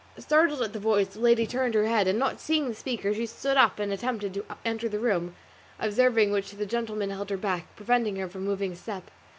Startled at the voice the lady turned her head; and not seeing the speaker she stood up and attempted to enter the room; observing which the gentleman held her back, preventing her from moving a step.